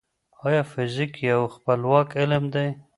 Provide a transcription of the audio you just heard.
ايا فزيک يو خپلواک علم دی؟